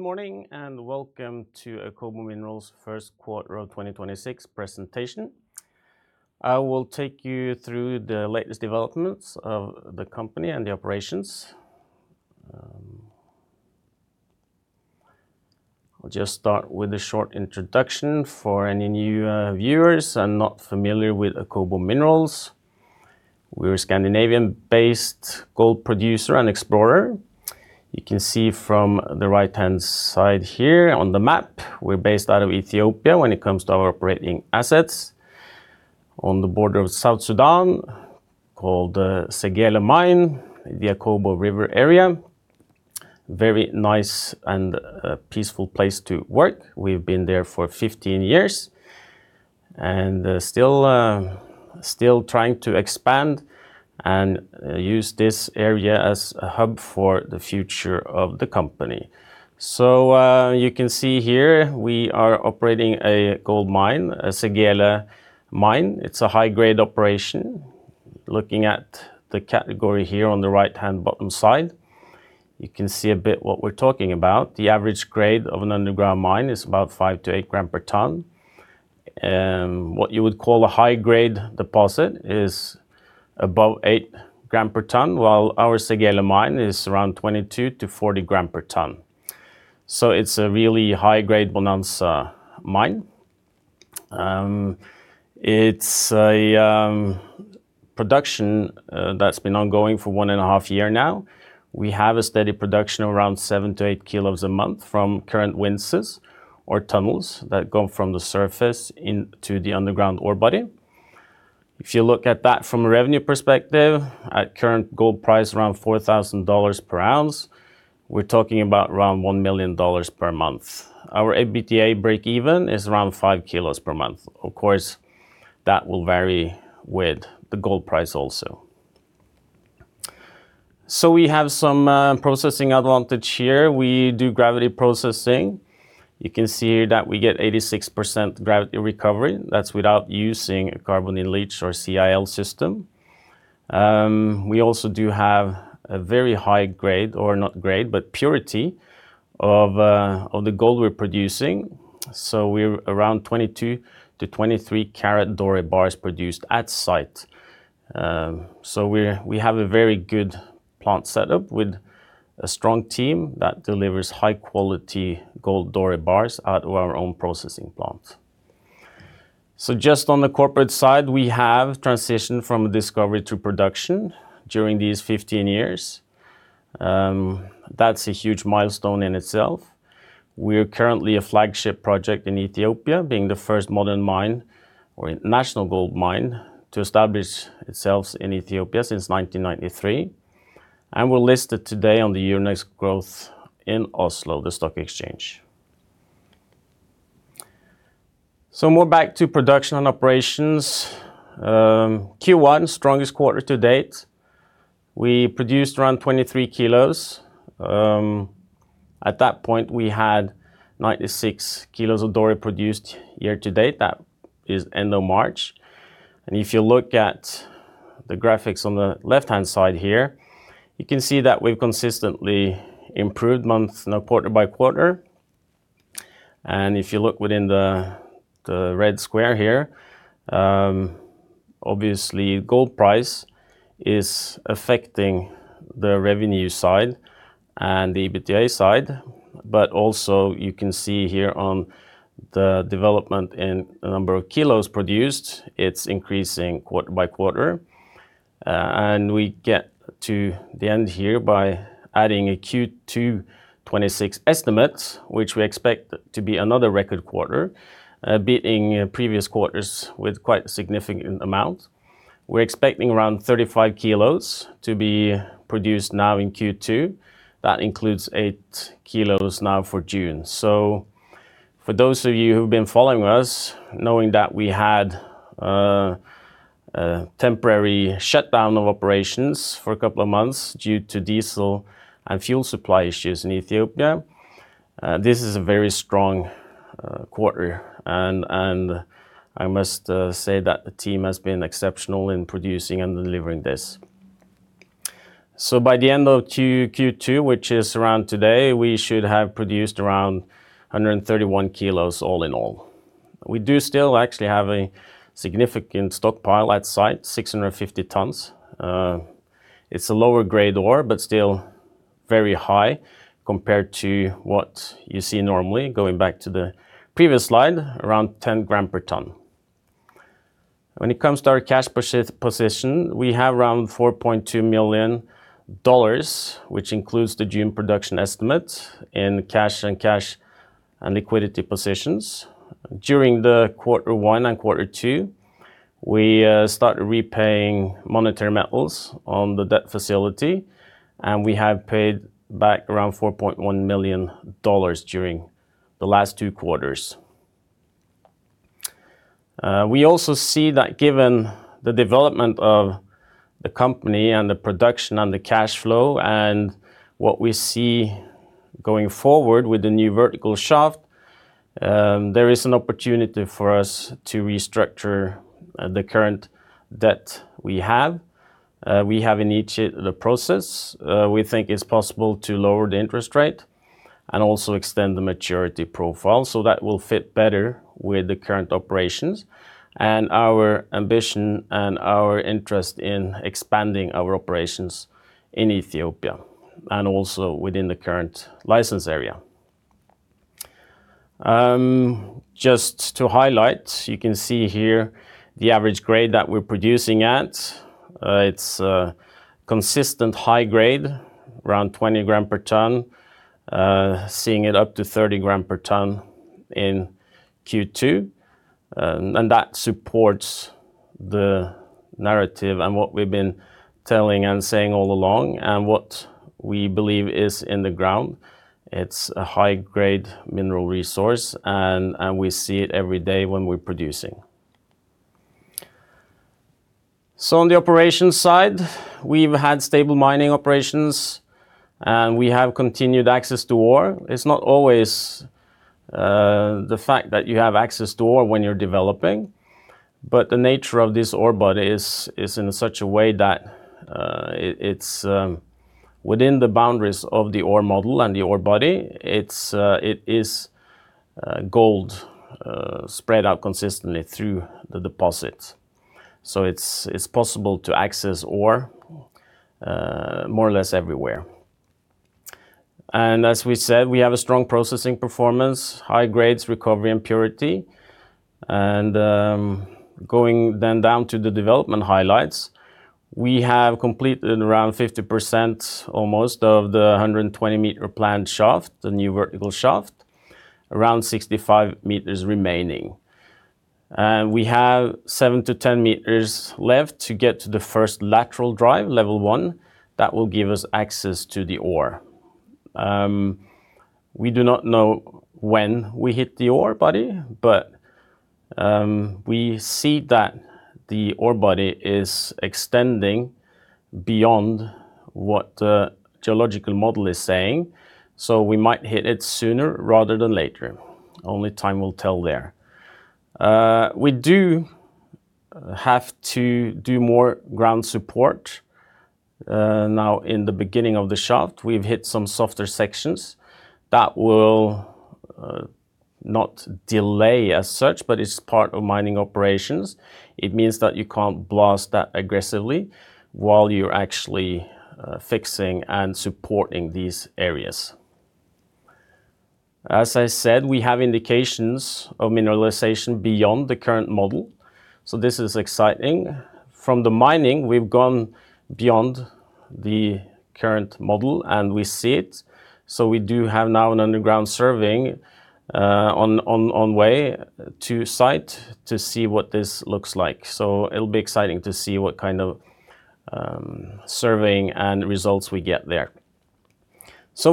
Good morning, welcome to Akobo Minerals' first quarter of 2026 presentation. I'll take you through the latest developments of the company and the operations. I'll just start with a short introduction for any new viewers and not familiar with Akobo Minerals. We're a Scandinavian-based gold producer and explorer. You can see from the right-hand side here on the map, we're based out of Ethiopia when it comes to our operating assets on the border of South Sudan, called Segele Mine, the Akobo River area. Very nice and peaceful place to work. We've been there for 15 years and still trying to expand and use this area as a hub for the future of the company. You can see here we are operating a gold mine, Segele Mine. It's a high-grade operation. Looking at the category here on the right-hand bottom side, you can see a bit what we're talking about. The average grade of an underground mine is about 5 to 8 gram per ton. What you would call a high-grade deposit is above 8 gram per ton, while our Segele Mine is around 22 to 40 gram per ton. It's a really high-grade bonanza mine. It's a production that's been ongoing for one and a half year now. We have a steady production of around 7 to 8 kilos a month from current winzes or tunnels that go from the surface into the underground ore body. If you look at that from a revenue perspective, at current gold price, around $4,000 per ounce, we're talking about around $1 million per month. Our EBITDA breakeven is around 5 kilos per month. Of course, that will vary with the gold price also. We have some processing advantage here. We do gravity processing. You can see that we get 86% gravity recovery. That's without using a carbon-in-leach or CIL system. We also do have a very high grade, or not grade, but purity of the gold we're producing. We're around 22 to 23 karat doré bars produced at site. We have a very good plant set up with a strong team that delivers high-quality gold doré bars out of our own processing plant. Just on the corporate side, we have transitioned from discovery to production during these 15 years. That's a huge milestone in itself. We are currently a flagship project in Ethiopia, being the first modern mine or national gold mine to establish itself in Ethiopia since 1993. We're listed today on the Euronext Growth Oslo, the stock exchange. More back to production and operations. Q1, strongest quarter to date. We produced around 23 kilos. At that point, we had 96 kilos of doré produced year to date. That is end of March. If you look at the graphics on the left-hand side here, you can see that we've consistently improved month and quarter by quarter. If you look within the red square here, obviously gold price is affecting the revenue side and the EBITDA side. Also you can see here on the development in the number of kilos produced, it's increasing quarter by quarter. We get to the end here by adding a Q2 2026 estimate, which we expect to be another record quarter, beating previous quarters with quite a significant amount. We're expecting around 35 kilos to be produced now in Q2. That includes eight kilos now for June. For those of you who've been following us, knowing that we had a temporary shutdown of operations for a couple of months due to diesel and fuel supply issues in Ethiopia, this is a very strong quarter, and I must say that the team has been exceptional in producing and delivering this. By the end of Q2, which is around today, we should have produced around 131 kilos all in all. We do still actually have a significant stockpile at site, 650 tons. It's a lower-grade ore, but still very high compared to what you see normally, going back to the previous slide, around 10 gram per ton. When it comes to our cash position, we have around $4.2 million, which includes the June production estimate in cash and cash and liquidity positions. During the quarter one and quarter two, we started repaying Monetary Metals on the debt facility, and we have paid back around $4.1 million during the last two quarters. We also see that given the development of the company and the production and the cash flow and what we see going forward with the new vertical shaft, there is an opportunity for us to restructure the current debt we have. We have in each the process, we think it's possible to lower the interest rate and also extend the maturity profile so that will fit better with the current operations and our ambition and our interest in expanding our operations in Ethiopia and also within the current license area. Just to highlight, you can see here the average grade that we're producing at. It's a consistent high grade around 20 gram per ton, seeing it up to 30 gram per ton in Q2. That supports the narrative and what we've been telling and saying all along and what we believe is in the ground. It's a high-grade mineral resource, and we see it every day when we're producing. On the operations side, we've had stable mining operations, and we have continued access to ore. It's not always the fact that you have access to ore when you're developing, but the nature of this ore body is in such a way that it's within the boundaries of the ore model and the ore body. It is gold spread out consistently through the deposit. It's possible to access ore more or less everywhere. As we said, we have a strong processing performance, high grades, recovery, and purity. Going then down to the development highlights, we have completed around 50% almost of the 120-meter planned shaft, the new vertical shaft, around 65 meters remaining. We have 7-10 meters left to get to the first lateral drive, level 1, that will give us access to the ore. We do not know when we hit the ore body. We see that the ore body is extending beyond what the geological model is saying. We might hit it sooner rather than later. Only time will tell there. We do have to do more ground support. Now, in the beginning of the shaft, we've hit some softer sections. That will not delay as such, but it's part of mining operations. It means that you can't blast that aggressively while you're actually fixing and supporting these areas. As I said, we have indications of mineralization beyond the current model, this is exciting. From the mining, we've gone beyond the current model, and we see it. We do have now an underground surveying on way to site to see what this looks like. It'll be exciting to see what kind of surveying and results we get there.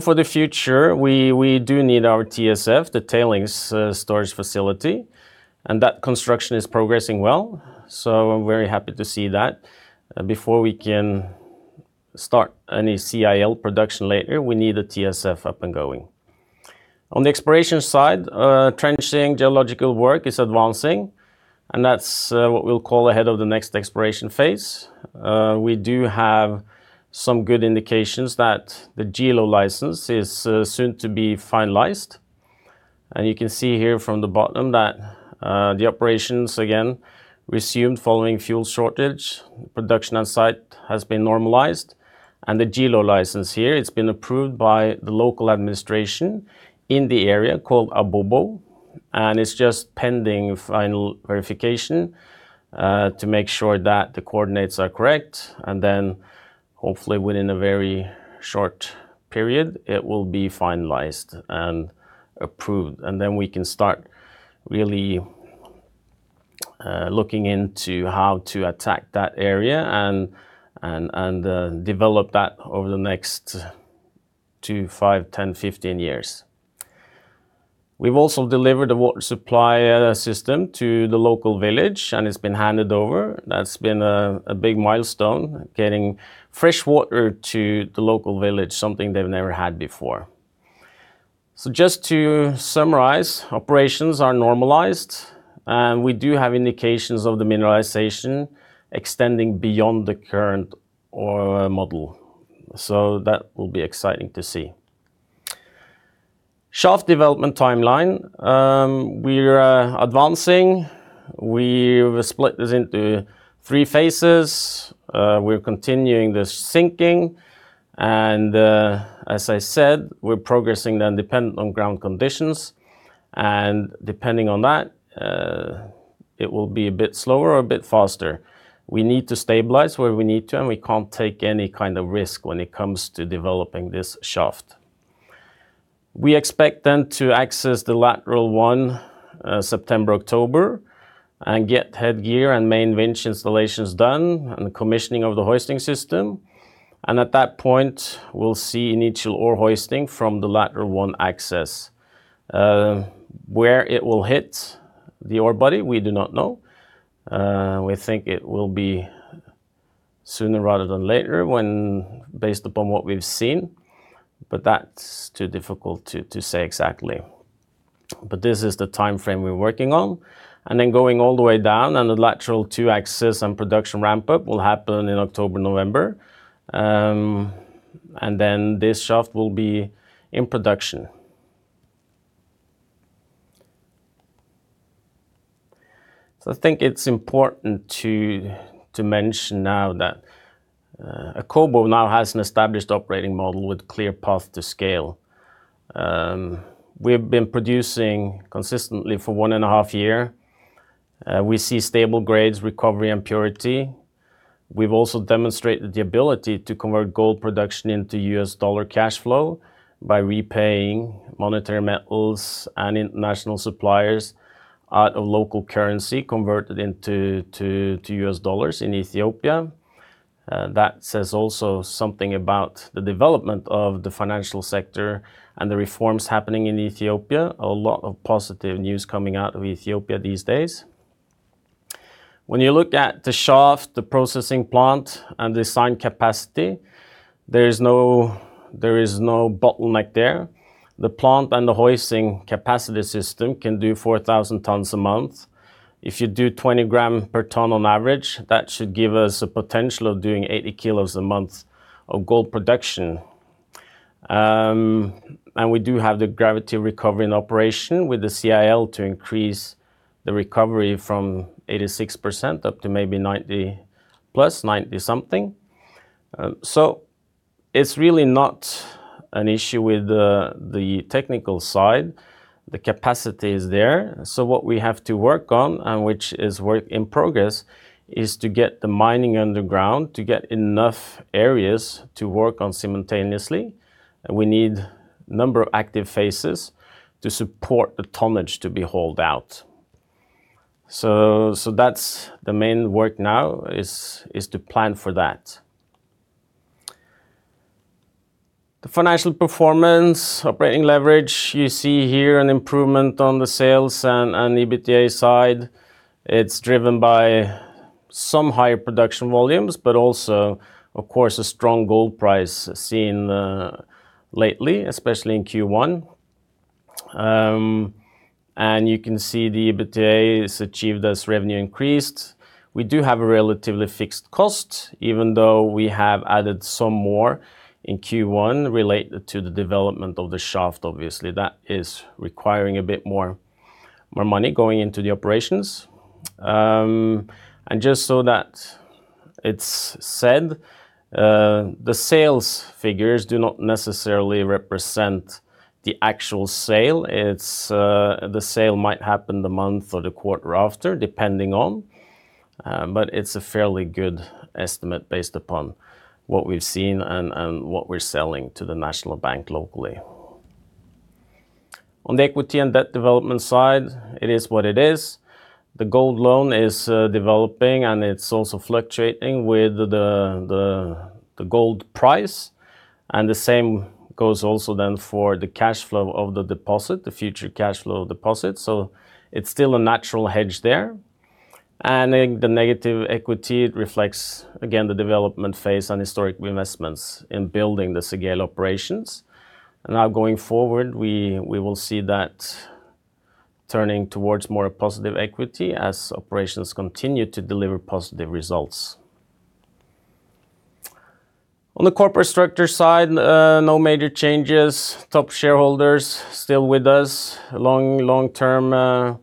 For the future, we do need our TSF, the tailings storage facility, and that construction is progressing well. I'm very happy to see that. Before we can start any CIL production later, we need a TSF up and going. On the exploration side, trenching, geological work is advancing, and that's what we'll call ahead of the next exploration phase. We do have some good indications that the Gilo license is soon to be finalized. You can see here from the bottom that the operations again resumed following fuel shortage. Production on site has been normalized, the Gilo license here, it's been approved by the local administration in the area called Abobo, and it's just pending final verification to make sure that the coordinates are correct. Hopefully within a very short period, it will be finalized and approved. We can start really looking into how to attack that area and develop that over the next two, five, 10, 15 years. We've also delivered a water supply system to the local village, and it's been handed over. That's been a big milestone, getting fresh water to the local village, something they've never had before. Just to summarize, operations are normalized, and we do have indications of the mineralization extending beyond the current ore model. That will be exciting to see. Shaft development timeline. We're advancing. We've split this into three phases. We're continuing the sinking. As I said, we're progressing then dependent on ground conditions. Depending on that, it will be a bit slower or a bit faster. We need to stabilize where we need to, and we can't take any kind of risk when it comes to developing this shaft. We expect then to access the lateral one, September, October, and get headgear and main winch installations done and commissioning of the hoisting system. At that point, we'll see initial ore hoisting from the lateral one access. Where it will hit the ore body, we do not know. We think it will be sooner rather than later based upon what we've seen, but that's too difficult to say exactly. This is the time frame we're working on. Going all the way down and the lateral two axis and production ramp-up will happen in October, November, and then this shaft will be in production. I think it's important to mention now that Akobo now has an established operating model with clear path to scale. We've been producing consistently for one and a half year. We see stable grades, recovery, and purity. We've also demonstrated the ability to convert gold production into US dollar cash flow by repaying Monetary Metals and international suppliers out of local currency converted into US dollars in Ethiopia. That says also something about the development of the financial sector and the reforms happening in Ethiopia. A lot of positive news coming out of Ethiopia these days. When you look at the shaft, the processing plant, and the assigned capacity, there is no bottleneck there. The plant and the hoisting capacity system can do 4,000 tons a month. If you do 20 gram per ton on average, that should give us a potential of doing 80 kilos a month of gold production. We do have the gravity recovery in operation with the CIL to increase the recovery from 86% up to maybe 90-plus, 90-something. It's really not an issue with the technical side. The capacity is there. What we have to work on, and which is work in progress, is to get the mining underground to get enough areas to work on simultaneously. We need number of active phases to support the tonnage to be hauled out. That's the main work now is to plan for that. The financial performance, operating leverage, you see here an improvement on the sales and EBITDA side. It's driven by some higher production volumes but also, of course, a strong gold price seen lately, especially in Q1. You can see the EBITDA is achieved as revenue increased. We do have a relatively fixed cost, even though we have added some more in Q1 related to the development of the shaft, obviously. That is requiring a bit more money going into the operations. Just so that it's said, the sales figures do not necessarily represent the actual sale. The sale might happen the month or the quarter after, depending on, but it's a fairly good estimate based upon what we've seen and what we're selling to the National Bank locally. On the equity and debt development side, it is what it is. The gold loan is developing, and it's also fluctuating with the gold price, and the same goes also then for the cash flow of the deposit, the future cash flow deposit. It's still a natural hedge there. The negative equity, it reflects, again, the development phase on historic investments in building the Segele operations. Now going forward, we will see that turning towards more positive equity as operations continue to deliver positive results. On the corporate structure side, no major changes. Top shareholders still with us, long-term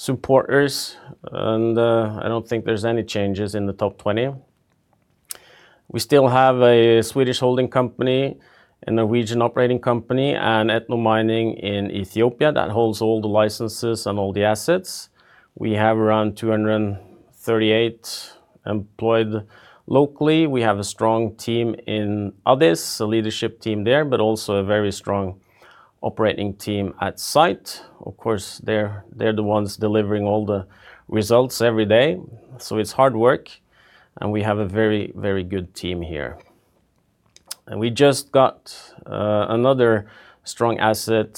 supporters, and I don't think there's any changes in the top 20. We still have a Swedish holding company, a Norwegian operating company, and Etno Mining in Ethiopia that holds all the licenses and all the assets. We have around 238 employed locally. We have a strong team in Addis, a leadership team there, but also a very strong operating team at site. Of course, they're the ones delivering all the results every day, so it's hard work, and we have a very good team here. We just got another strong asset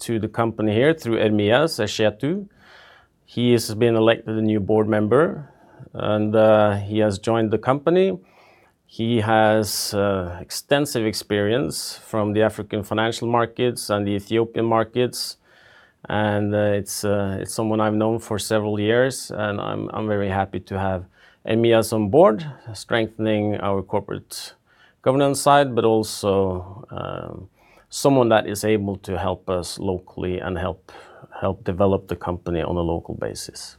to the company here through Ermias Eshetu. He has been elected a new board member, and he has joined the company. He has extensive experience from the African financial markets and the Ethiopian markets, and it's someone I've known for several years, and I'm very happy to have Ermias on board, strengthening our corporate governance side, but also someone that is able to help us locally and help develop the company on a local basis.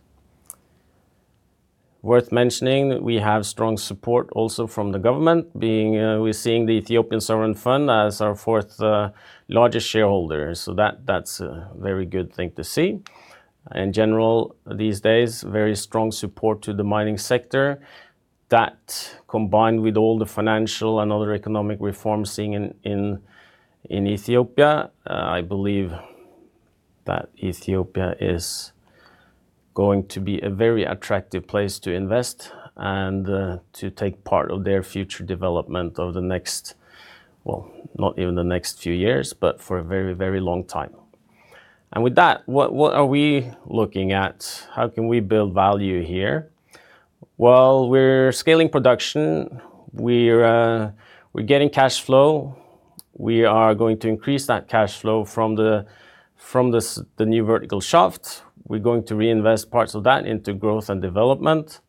Worth mentioning, we have strong support also from the government, being we're seeing the Ethiopian Investment Holdings as our fourth largest shareholder. That's a very good thing to see. In general, these days, very strong support to the mining sector. That, combined with all the financial and other economic reforms seen in Ethiopia, I believe that Ethiopia is going to be a very attractive place to invest and to take part of their future development of the next, well, not even the next few years, but for a very long time. With that, what are we looking at? How can we build value here? Well, we're scaling production. We're getting cash flow. We are going to increase that cash flow from the new vertical shaft. We're going to reinvest parts of that into growth and development.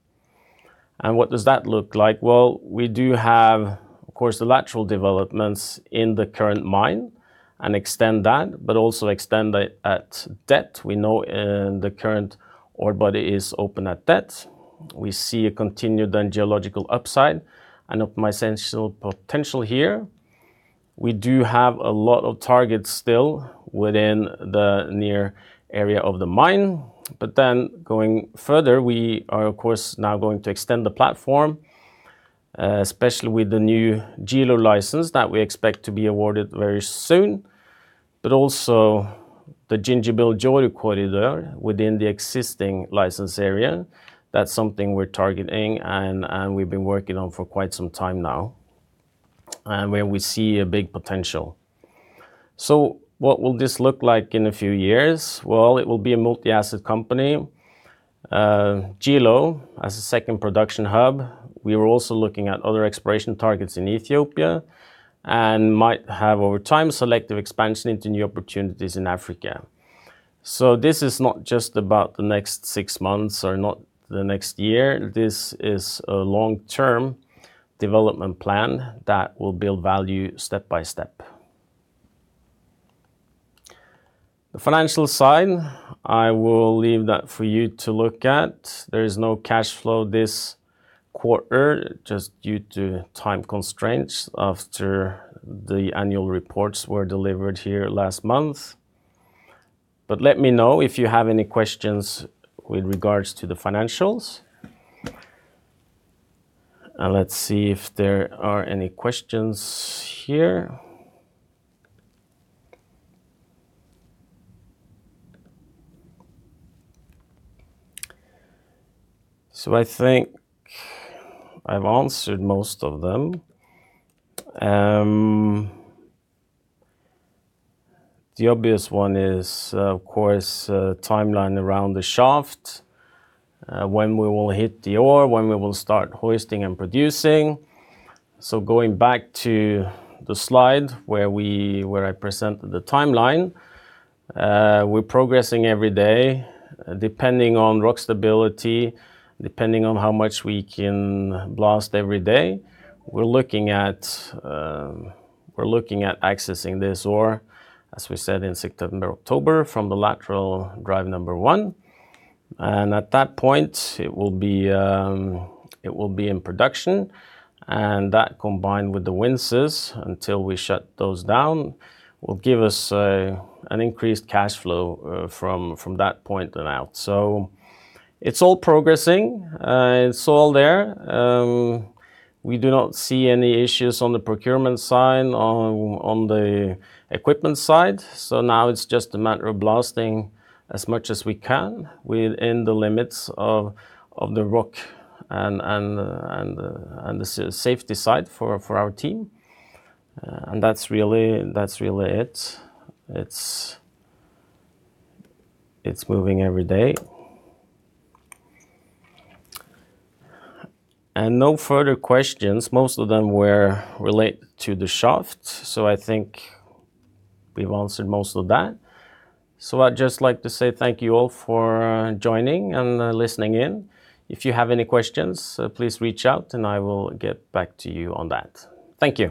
What does that look like? Well, we do have, of course, the lateral developments in the current mine and extend that, but also extend it at depth. We know the current ore body is open at depth. We see a continued geological upside and optimized potential here. We do have a lot of targets still within the near area of the mine. Going further, we are, of course, now going to extend the platform, especially with the new Gilo license that we expect to be awarded very soon, but also the Gindibab-Joru Corridor within the existing license area. That's something we're targeting and we've been working on for quite some time now, and where we see a big potential. What will this look like in a few years? Well, it will be a multi-asset company. Gilo as a second production hub. We're also looking at other exploration targets in Ethiopia and might have, over time, selective expansion into new opportunities in Africa. This is not just about the next six months or not the next year. This is a long-term development plan that will build value step by step. The financial side, I will leave that for you to look at. There is no cash flow this quarter just due to time constraints after the annual reports were delivered here last month. Let me know if you have any questions with regards to the financials. Let's see if there are any questions here. I think I've answered most of them. The obvious one is, of course, timeline around the shaft, when we will hit the ore, when we will start hoisting and producing. Going back to the slide where I presented the timeline, we're progressing every day depending on rock stability, depending on how much we can blast every day. We're looking at accessing this ore, as we said, in September, October from the lateral drive number one. At that point, it will be in production, and that combined with the winzes, until we shut those down, will give us an increased cash flow from that point and out. It's all progressing. It's all there. We do not see any issues on the procurement side, on the equipment side. Now it's just a matter of blasting as much as we can within the limits of the rock and the safety side for our team. That's really it. It's moving every day. No further questions. Most of them were related to the shaft, so I think we've answered most of that. I'd just like to say thank you all for joining and listening in. If you have any questions, please reach out and I will get back to you on that. Thank you